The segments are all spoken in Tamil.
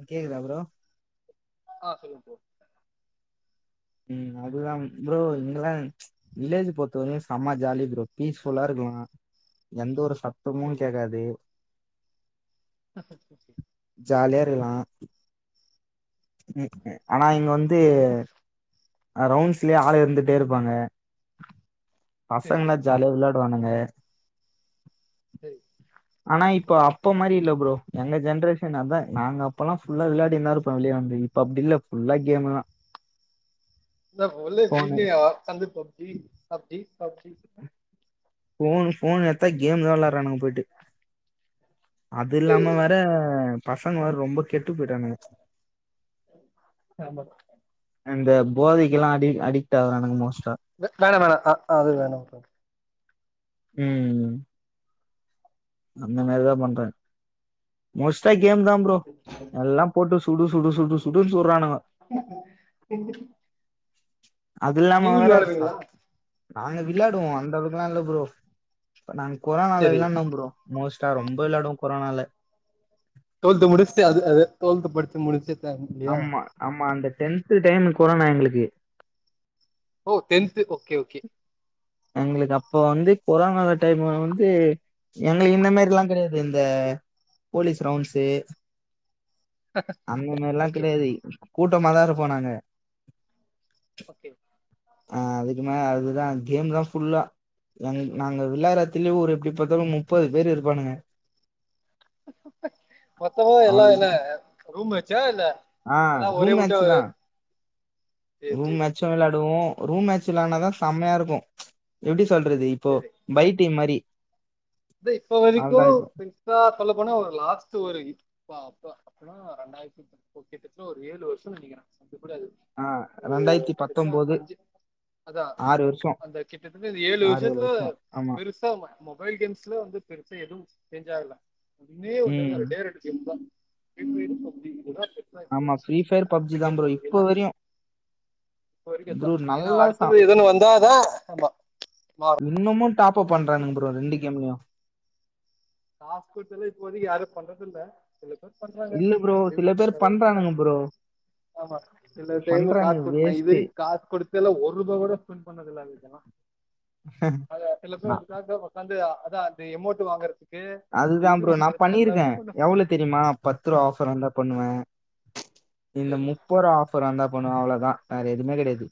அ கேக்குதா ப்ரோ ஆஹ் சொல்லுங் ப்ரோ ம் அதுதா ப்ரோ இங்கிலாந் வில்லேஜு பொற்த்த வரையு சம்ம ஜாலி ப்ரோ பீஸ்ஃபுல்லா இருக்கலா எந்த ஒரு சத் தமு சரி கேக்காது ச சரி [inaudible] ஜாலியா இருக்கலா ம் ஆனா இங்க வந்து அ ரவுண்ஸ்லே ஆள் இருந்துட்டே இருப்பாங்க சரி பசங்கா சரி ஜாலி விளாடுவானுங்க டேய் ஆனா இப்ப அப்ப மாரி இல்ல ப்ரோ எங்க ஜென்ரேஷன் அதா நாங்க அப்பல்லா பஃபுல்லா விளாடிந்தாருப்போ வெளிய வந்து இப் ப அப்டில்ல ஃபுல்லா கேமுதா எல்லாரு உள்ள வீட்லே உக்காந்து PUBG PUBG PUBG phone phone எத்தா கேமு தா விளாட்றானுங்க போய்ட்டு சரி அதில்லாம வேற பசங்க வேற ரொம்ப கெட்டு போய்ட்டானுங்க ஆமா அந்த போதைக்கெல்லா அடி அடிக்ட் ஆவுறானுங்க மோஸ்ட்டா அ வேணா வேணா ஆ அது வேணா ப்ரோ ம் அந்த மாரிதா பண்றே மோஸ்ட்டா கேம் தா ப்ரோ எல்லா போட்டு சுடு சுடு சுடு சுடுன் சுட்றாானுகோ [inaudible] எந்திரி அது இல்லாம வேற அ விளாடுவீங்களா நாங்க விளாடுவோ அந்த அளவுக்குலா இல்ல ப்ரோ நாங்க கொரானால சரி விளாட்னோ ப்ரோ மோஸ்ட்டா ரொம்ப விளாடுவோ கொரானால டொல்த்து முடிஸ்ட்டு அது அது டொல்த்து படிச்சி முடிச்சி ஆமா ஆமா அந்த டென்த்து டைமு கொரானா எங்களுக்கு ஓ டென்த்து ஓகே ஓகே எங்களுக்கு அப்போ வந்து கொரானா டைமு வ வந்து எங்ளுக்கு இந்த மாரில்லா கெடையாது இந்த போலீஸ் ரவுண்ட்ஸு அந்த மார்ல்லா ஓகே கெடையாது கூட்டமா தா இருப்போ நாங்க ஓகே ஆ அதுக்கு மேல அதுதா கேம் தா ஃபுல்லா எங் நாங்க விள்ளார எட்த்துலே ஒரு எப்டி பாத்தாலு முப்பது பேர் இருப்பானுங்க மொத்தமா எல்லார் என்ன ரூம் மே ச்சா ஆ எல்லா ஒரே ரூம் மேட்ச் வுட்டு தான் ரூம் மேட்ச்சு விளாடுவோ ரூம் மேட்ச் விளாட்னாதா செம்மையா இருக்கு எப்டி சொல்றது இப்போ பை டீம் மாரி இது இப்ப வரிக்கு கொஞ் சொல்ல போனா ஒரு லாஸ்ட்டு ஒரு இப்ப அப்ப அப்பின்னா ரெண்டாய்ரத்தி ஓகே டச்ல ஒரு ஏழு வர்ஷோன் நெனைக்கிறே பாக்க கூடாது ஆ ஒரு ரெண்டாயிரத்தி கிட்டத்தட்ட பத்தொம்போது அஞ்சு அதா ஆறு வருஷம் அந்த கிட்டத்தட்ட அந்த ஏழு ஆறு வர்ஷத்துல வருஷம் ஆமா பெரு சாவுமே மொபைல் கேம்ஸ்ல வந்து பெருசா எதுவு சேஞ்சாகல வந்துகினே ஒரு டைம்ல ம் ரெண்டே ரெண்டு டீம் தா [inaudible] ஆமா ஃப்ரீஃபயர், பப்ஜி தா ப்ரோ இப்ப வரையு இப்ப வரிக்கு அத் தா ஏனா நல்லா அடுத்தது எதுனு வந்தா தா ஆமா இன்னமு டாப்அப் பண்றானுக ப்ரோ ரெண்டு கேம்லியு காஸ் குட்த்தல்லா இப்போதிக்கு யாரு பண்றதில்ல சில பேர் பன்றாங்க இல்ல ப்ரோ ட்யூவ் சில [unintelligible] பேர் த்துல பண்றானுங்க ப்ரோ ஆமா சில டைமு காஸ் பண்றானுங்க குட்த் நா இது வேஸ்ட் வரிக்கு காஸ் குடுத்தெல்லா ஒர்ருபா கூட ஸ்பெண் பண்ணது நல்தா அது இல்ல ஸ்லோவா நான் இருக்கு பிளாட்ஃபாமு வந்து அதா அந்த எம்மோட்டு் வாங்கறத்துக்கு அந்த அதுதான் இது ப்ரோ நான் வாங்கறத்துக்கல்லா இது பண்ணியிருக்கேன் பண்ணோ எவ்வளவு தெரியுமா பத்துருவா ஆஃபர் வந்தா பண்ணுவே இந்த சரி முப்பருவா ஆஃப ர் வந்தா பண்ணுவ அவ்ளோதா வேற எதுமே கெடையாதி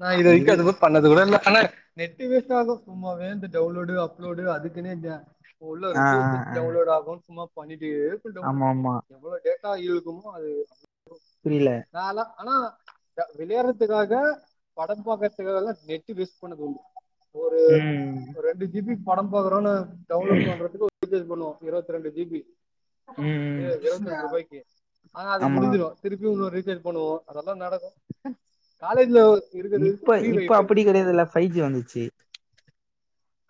நா இது இரு வரிக்கு அது மா பண்ணது கூட இல்ல ஆனா நெட்டு் வேஸ்ட்டாகு சும்மாவே இந்த டவுன்லோடு அப்லோடு அதுக்குன்னே இங்க உள்ள ஆ ரிசோர்சஸ் ஆ ஆ டவுன்லோட் ஆகு சும்மா பண்ணிட்டு இருப்ப ஆமா டவுன்லோடு ஆமா எவ்ளோ டேட் டா இழுக்குமோ அது புரில நாலா ஆனா வ விளயாட்றத்துகாக படம் பாக்கறத்துகாகல்லா நெட்டு் வேஸ்ட் பண்ணது உண்டு ஒரு ம் ஒரு ரெண்டு ஜிபி படோ பாக்குறோனு டவுன்லோட் பண்றதுக்கு பண்ணுவோ இரவத்தி ரெண்டு ஜிபி ம் ஏ ம் இரவத்தி ரெண்ரூபாய்க்கு ஆனா அது ஆமா முடிஞ்சுரு திருப்பி இன்னெரு ரீசார்ஜ் பண்ணுவோ அதெல்லா நடக்கு காலேஜ்ல இருக்கிறது இப்ப ஃப்ரீ இப்ப வைஃபை அப்டி கடையாதுல்ல ஃபைவ் ஜி வந்துச்சு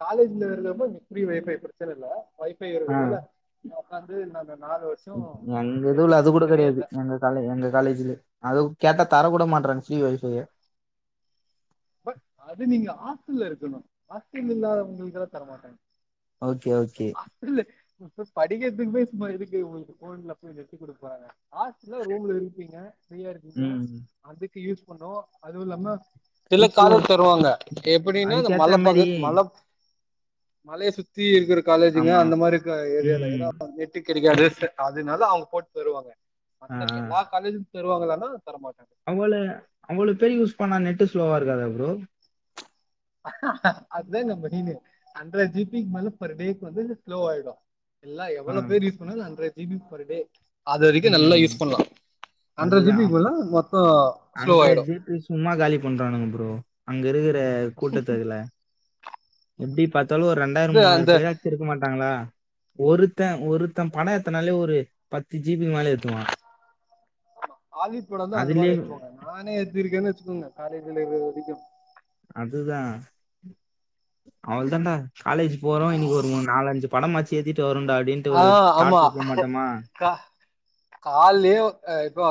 காலேஜ்ல இருக்குறப்ப ஃப்ரீ வைஃபை ப்ரச்சன இல்ல வைஃபை ஆ இருக்கனால உக்க்காந்துநாங்க நாலு வருஷோ எங்க இதுவுல நெட்டுக்கு அதுகூட பிரச்சனையே கடையாது இல்ல எங்க காலே எங்க காலேஜ்ல அது கேட்ட தரகூட மாட்றாங்க ஃப்ரீ ஒய்ஃபைய பட் அது நீங்க ஹாஸ்டல்ல இருக்கணும் அது நீங்க ஹாஸ்டல்ல இருக்கனு ஹாஸ்டல்ல இல்லாதவங்களுக்குளா தரமாட்டாங்க ஓகே ஓகே இல்ல இப்ப படிக்கிறதுக்குமே சும்மா இதுக்கு உங்களுக்கு போன்ல போய் நெட்டு குடுப்பாங்க ஹாஸ்ட ரூம்ல இருப்பீங்க ஃப்ரீயா இருப்பீங்க ம் அதுக்கு யூஸ் பண்ணோ அது இல்லாம இல்ல இப்போ காலோட் தருவாங்க எப்படின்னா இந்த அதுக்கேத்த மாரி மலப்பகு மல மலைய சுத்தி இருக்குற காலேஜுங்க ஆமா அந்தமாரி ஏரியால எதா ம் நெட்டு கடைக்காது ச அதனால அவுங்க போட்டு தருவாங்க ஆ மத்தக் ஆ. எல்லா காலேஜுல தருவங்களானா தரமாட்டாங்க அவ்வள அவ்வளோ பேரு யூஸ் பண்ணா நெட்டு ஸ்லோவா இருக்காதா ப்ரோ அத்தா நம்ம டீனு ஹண்ரட் ஜீபிக் மேல பர் டேக்கு வந்து ஸ்லோ ஆய்டு எல்லா ஆ எவ்வளோ பேர் யூஸ் பண்ணாலு ஹண்ரட் ஜீபி பர் டே அது வரிக்கு நல்லா ம் யூஸ் பண்லா ஹண்ட்ரட் ஜீபி அதுதா போனா மொத்தோ ஸ்லோ ஹண்ட்ரட் ஆய்டு ஜிபி சும்மா காலி பண்றானுங்க ப்ரோ அங்க இருக்குற கூட்டத்துகுல எப்டி பாத்தாலு ஒரு ரெண்டாய்ரோ இது மூணாய்ரோ அந்த பேராச்சு இருக்க மாட்டாங்ளா ஒருத்த ஒருத்த படோ ஏத்தனாலே ஒரு து ஜீபிக் மேலே ஏத்துவா ஆலிவுட் படோதா அதுலயே அந்தமாரி ஏத்துவாங்க நானே ஏத்திருக்கேன் வெச்சுக்கோங்க காலேஜுல இது வரிக்கு அதுதா அவள்தான்டா காலேஜ் போறோ இன்னிக் ஒரு மூனு நாலஞ்சு படமாச்சி ஏத்திட்டு வரன்டா அப்டின்ட்டு ஆ ஒரு ஆமா தாட்ல போ மாட்டமா கா கால்லயே அ இப்ப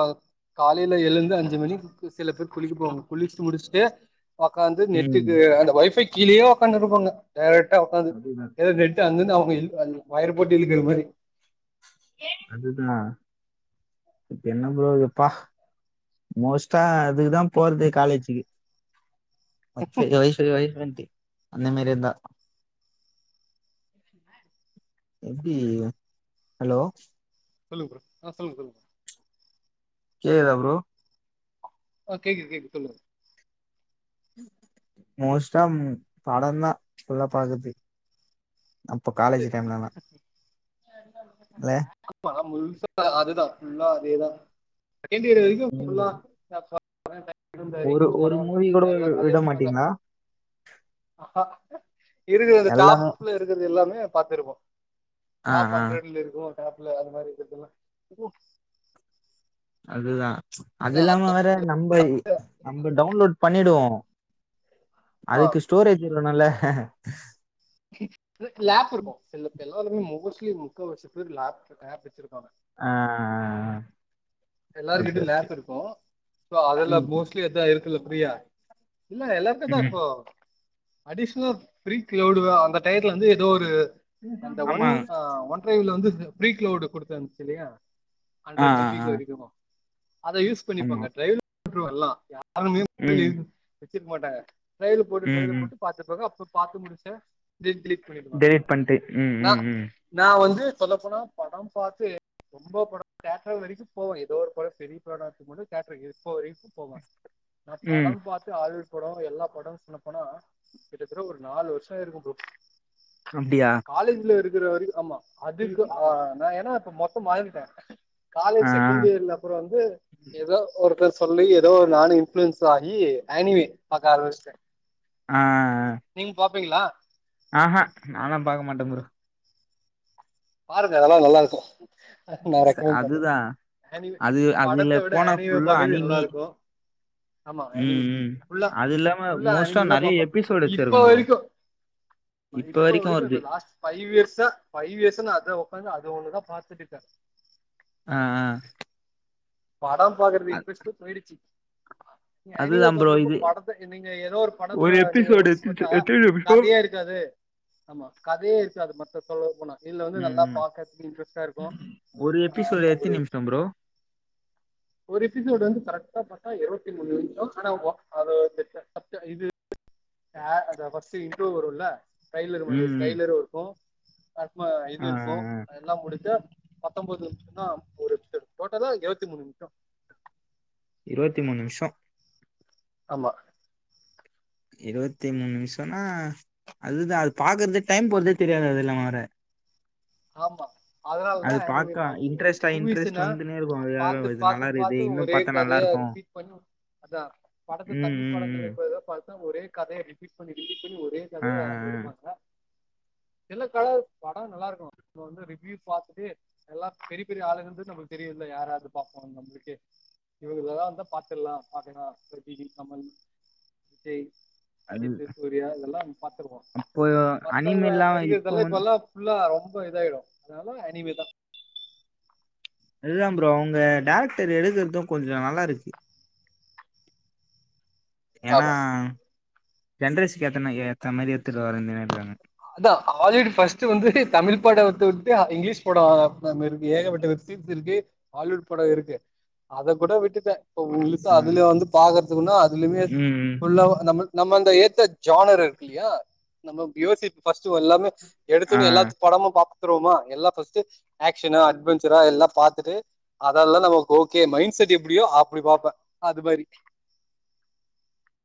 காலைல எழுந்து அஞ்சு மணிக்கு சில பேர் குளிக்க போவாங்க குளிச்சு முடிச்சுட்டு உக்காந்து ம் நெட்டுக்கு அந்த ஒய்ஃபை கீழயே உக்காந்துட்ருப்பாங்க டைரக்டா உக்காந்து அதுதா எதோ நெட் அங்கருந்து அவுங்க இ வயர போட்டு இழுக்குற மாரி அதுதா இப்ப என்ன ப்ரோப்பா மோஸ்டா இதுக்குதா போறது காலேஜுக்கு [unintelligible] திரு வண்டி அந்தமாரி எந்தா [inaudible] [inaudible] எப்டி ஹலோ சொல்லுங் ப்ரோ ஆ சொல்லுங்க சொல்லுங்க கேக்குதா ப்ரோ ஆ கேக்குது கேக்குது சொல்லுங்க மோஸ்டா படோதா ஃபுல்லா பாக்கற்து அப்போ காலேஜு சரி டைம்லலா [unintelligible] த ஆமா முழுசா அதுதா ஃபுல்லா அதேதா செகண்ட் இயர் வரிக்கும் ஃபுல்லா ம் [unintelligible] இப்பதா எ ஒரு [unintelligible] ஒரு படோ மூவி கூட அதெல்லா அதே விட அதா மாட்டீங்களா இருக்குது அந்த எல்லாமே டாப்புல இருக்குது எல்லாமே பாத்துருப்போ ஆ டாப் ஆ ஹண்ட்ரட்ல இருக்கு டாப்ல அது மாரி இருக்குறதெல்லா அதுதா அது அதா இல்லாம வேற நம்பாயி அது நம்ம டவுன்லோட் பண்ணிடுவோ ஆ அதுக்கு ஸ்டோரேஜ் இருக்கனுல்ல லேப் இருக்கு செல்லு எல்லாருமே மோஸ்ட்லி முக்கா வாசிப்பேர் லேப் ஆஃப் வச்சிருப்பாங்க அ அ அ அ எல்லாருகிட்டயு லேப் இருக்கும் சோ அதுல்ல ம் மோஸ்ட்லி [unintelligible] இருக்குல்ல ப்ரியா இல்ல எல்லா என்னடா ம் இப்போ அடிஷ்னல் ப்ரிங் க்லவ்டுதா அந்த டைட்டில்ல இருந்து எதோ ஒரு அந்த ஒன் ஆமா அ ஒன் டிரைவுல வந்து ப்ரிக்லவுடு குடுத்தே வந்துச்சு இல்லையா ஆ ஹண்ட்ரட் ஆ ஜீபி ஆ வரைக்கு அத யூஸ் ஆமா பண்ணிப்பாங்க டிரைவர்ல வந்துரு எல்லா யாருமே [inaudible] ம் வச்சிக்க மாட்டாங்க ட்ரயலு போட்டு ம் ட்ரயலு ம் போட்டு பாத்துப்பாங்க அப்ப பாத்து முடுச்டே டெய்லி டெலிட் பண்ணி விடுவாங்க டெலிட் பண்ட்டு ம் நா ம் ம் நா வந்து சொல்லப்போனா படம் பாத்து ரொம்ப படம் தேட்டர் வரைக்கும் போவே எதோ ஒரு படம் பெரிய படம் இருக்கும்போது தியேட்டர்க்கு இப்போ வரைக்கும் போவே நான் ம் படம் பாத்து அழு படோ எல்லா படம்னு சொன்ன போனா கிட்டத்தட்ட ஒரு நாலு வர்ஷோ ஆயிருக்கும் ப்ரோ அப்டியா காலேஜ்ல இருக்குற வரைக்கும் ஆமா அதுக்கு ஆ நா ஏன்னா இப்ப மொத்தம் மாறிட்டேன் ஆ ஆ காலேஜ் செகண்ட் செகண்டியர்ல அப்பறோ வந்து எதோ ஒருத்தர் சொல்லி எதோ நானு இன்ஃபுளயன்ஸ் ஆகி ஆனிவே பாக்க ஆரம்பிச்சுட்டே ஆ ஆ அ நீங்க பாப்பீங்களா ஆ ஹா நாலா பாக்க மாட்டே ப்ரோ பாருங்க அதல்லா நல்லா இருக்கு நா ரெக்கமெண்ட் பண்றே அதுதா ஆனிவே அது அதுல படத்த விட போனா ஆனிவே ஃபுல்லா பாக்குறது நல்லா அனிமி இருக்கு ஆமா ம் அனிமி ம் ஃபுல்லா அது இல்லாம ஃபுல்லா மோஸ்டா அனிமி தா நெறைய பாப்பே எபிசோடு இப்ப வச்சிருக்கும் ப்ரோ வரைக்கு ஆ இப்ப வரைக்கு இந்த லாஸ்ட் பைவ் இயர்ஸ்ஸா பைவ் இயர்ஸ்ஸா நா அதா உக்காந்து அது ஒன்னுதா பாத்துட்டு இருக்கே அ அ பாடம் பாக்குறது இன்ரஸ்ட்டு போயிடுச்சு அனிவே அதுதா ப்ரோ பாக்குறப்போ இது படத்த நீங்க எதோ ஒரு படத்த நீங்க எபிசோடு யோசிச்சு எத் பாத்தா எத்தன நிமிஷோ கதையா இருக் இருக்காது ஆமா கதையே இருக்காது மத்தது சொல்லப் போனா இதுல வந்து ம் நல்லா ம் பாக்குறதுக்கு இன்ட்ரெஸ்ட்டா இருக்கு ஒரு ஆ எபிசோடு ஒரு எத்தினி நிமிஷோ ப்ரோ ஒரு எபிசோடு் வந்து கரெக்டா பாத்தா இருவத்தி மூணு நிமிஷோ ஆனா வா அது வந்துட்டு மச்சா இது யா அந்த ஃபஸ்ட்டு இன்ட்ரோ வருல்ல ட்ரைய்லர் மாரி ம் ம் ட்ரைலரு இருக்கு நம்ம‌ இது ஆ இருக்கு ஆ அதெல்லா முடுஞ்சா பத்தொம்பது நிமிஷோ தா ஒரு எபிசோடு டோட்டலா இருவத்தி மூணு நிம்ஷோ இருவத்தி மூணு நிம்ஷோ ஆமா இருவத்தி மூணு நிமிஷோன்னா அதுதா அது பாக்குறதே டைம் போறதே தெரியாது அது இல்லாமா வேற ஆமா அஉனால தா அது அனிவே பாக்க பாக்ககூடியது இன்ட்ரெஸ்டா இன்ட்ரெஸ்ட் மூவிஸ்ன்னா வந்துனே இருக்கு அது யாரு பாத்து இது பாத்து நல்லா இருக்குது பாத்து இன்னு ஒரே பாத்தா நல்லா கதைய இருக்கு ரிபீட் கொஞ்சோ அதா படத்த ம் தமிழ் ம் படங்கள்ல ம் இப்ப எதோ பாத்தா ஒரே கதை அடிப் பண்ணி ரிப்பிட் பண்ணி ஒரே ஆ கதைய ஆ அப்டி ஆ எடுப்பாங்க சார் என்ன கலை பட நல்லா இருக்கு நா வந்து ரிவ்யூஸ் பாத்துட்டு எல்லா பெரிய பெரிய ஆளுங்கன்றது நமக்கு தெரியுல்ல யாராரு இருக்கா பட நம்மளுக்கு இவுங்க நல்லா இருந்தா பாத்துர்லா யாருனா ரஜினி கமல் விஜய் அது அஜித்து சூரியா இதெல்லா பாத்துருவோ அப்போ மத்தவ்ங்க அனிமேல்லாம் இப்போ நடிகர்தெல்லா வந் இப்பலா ஃபுல்லா ரொம்ப இதாயிடு அதனால அனிமிதா இல்ல ப்ரோ அவ்ங்க டேரக்டர் எழுதற்து கொஞ்ச நல்லா இருக்கு ஆமா ஏனா ஜென்ரேசுக்கு எத்தன ஏத்த மாரி எட்த்துட்டு வருங்குனே இருக்காங்க அதா ஆல்யுட் ஃபஸ்ட்டு வந்து தமிழ் பட தொட்டு அ இங்லீஷ் பட வரு மறுப்டி ஏகப்பட்ட வெப்சீ சீரிஸ் இருக்கு ஹாலிவுட் பட இருக்கு அத கூட விட்டுட்டே இப்ப உங்களுக்கு ஆ. அதுல வந்து பாக்குறதுக்குனா அதுலயுமே ம். ஃபுல்லா நம்மள் நம்ம அந்த ஏத்த ஜானர் இருக்கு இல்லையா நம்ம யோசிப்போ ஃபஸ்ட்டு ஒ எல்லாமே ஆ. எடுத்தோன்ன எல்லாத்து படமு பாத்துருவோமா எல்லா ஃபஸ்ட்டு ஆக்ஷனா அட்வெஞ்சரா எல்லா பாத்துட்டு அதெல்லா நமக்கு ஓகே மைண்ட் செட் எப்டியோ அப்டி பாப்பே அது மாரி [inaudible]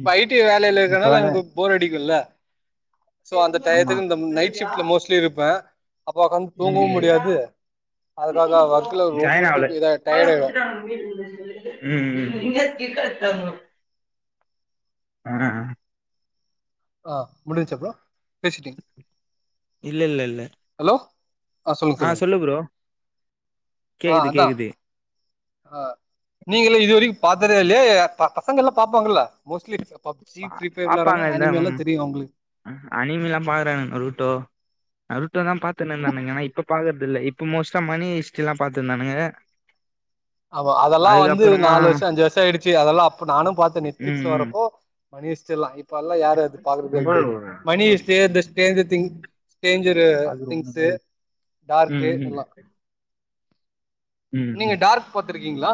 ம். ஐ டி வேலைல இப்ப இருக்கறனால வேற எனக்கு போர் அடிக்குல்ல சோ அந்த ஆமா. டயத்துக்கு இந்த நைட் ஷிஃப்ட்ல மோஸ்ட்லி இருப்பே அப்ப ஒக்காந்து தூங்கவு முடியாது அதுக்காக ஒர்க்ல ரொம்ப தூக்க இதா டயர்ட் [unintelligible] ஆயிடு ம்ம்ம் ஹே ஆ முடிச்சா ப்ரோ பேசிட்டீங் இல்ல இல்ல இல்ல ஹலோ ஆ சொல்லுங்க சொல்லுங்க சொல்லு ப்ரோ. ஆ கேக்குது அதா கேக்குது. ஆ நீங்களு இது வரைக்கு பாத்ததே இல்லையா ஏ ப பசங்கல்லா பாப்பாங்கல்ல மோஸ்ட்லி [inaudible] பப்ஜி பா ஃப்ரீபயர் வெளாட்றாங்க அனிமிலா தெரியு அவ்ங்களுக்கு அ அனிமிலா பாக்குறாங்க ரூட்டோ அ ரூட்டோ தா பாத்துன்னு இருந்தானுங்க ஆனா இப்ப பாக்கற்து இல்ல இப்ப மோஸ்டா மணி ஹிஸ்டிரிலா பாத்துருந்தானுங்க ஆமா அதெல்லா வந்து அதுக்கப்புறமா நாலு வர்ஷ அஞ்சு வர்ஷ ஆயிடுச்சு அதெல்லா அப்ப நானு பாத்தே ம் நெட்ஃபிளிக்ஸ்ல ம் வரப்போ மணி ஹிஷ்ட்ரிலா இப்ப அதுலா யாரு ம் பாக்குறதில்ல திரும்பி மணி ஹிஸ்ட்ரி இந்த ஸ்டேஜ்ஜர் திங் ஸ்டேஞ்சரு பாக்குற ஒண்ணுதா திங்ஸு இருக்கு டார்க்கு ம் ம் எல்லா ம் நீங்க ம் டார்க் பாத்துருக்கீங்ளா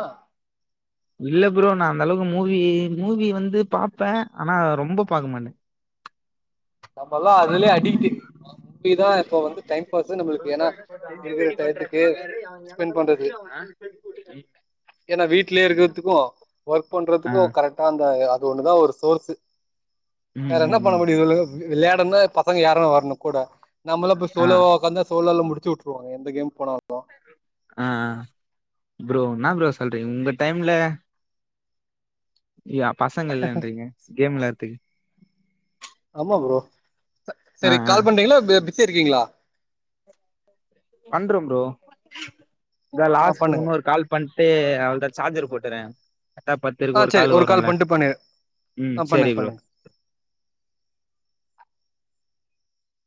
இல்ல ப்ரோ நா அந்த அளவுக்கு மூவி மூவி வந்து பாப்பே ஆனா ரொம்ப பாக்க மாட்டே நம்மலா அதுலே அடிக்ட்டு மூவிதா இப்ப வந்து டைம் பாஸு நம்மளுக்கு ஏன்னா இருக்கிற [inaudible] டயத்துக்கு ஸ்பெண்ட் [inaudible] ஏனா வீட்லே இருக்கிறத்துக்கு ஒர்க் ஆ பண்றத்துக்கு கரெக்ட் ஆ அந்த அது ஒன்னுதா ஒரு சோர்ஸ்சு ம் வேற என்ன ம் பண்ண ம் முடியு சொல்லுங்க அ விளையாடன்னா பசங்க யாரா வர்ணு கூட நம்மளா இப்ப ஆ சோலோவா ஒக்காந்தா சோலோல முடிச்சு வுட் ருவாங்க எந்த கேம் போனாலுந்தா ஆ ஆ ப்ரோ என்னா ப்ரோ சொல்றீங்க இந்த டைம்ல யா பசங்க இல்லன்றீங்க கேம் வெளாட்த்துக்கு ஆமா ப்ரோ ஆ சேரி ஆ கால் பண்றீங்ளா பெ பிஸியா இருக்கீங்ளா பண்ற ப்ரோ இந்த ஆ லாஸ்ட்டு பண்ணுங்க உன்னொரு கால் பண்ட்டு அவள்தா சார்ஜர் போட்டுறே கரேக்ட்டா பத்துருக்கு ஆ ஒரு சரி கால் வருல்ல பண்ட்டு பண்ணு ம் ஆ சேரி பண்ணுங்க ப்ரோ பண்ணுங்க